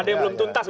ada yang belum tuntas